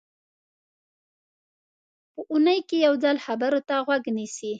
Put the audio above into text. په اوونۍ کې یو ځل خبرو ته غوږ نیسي.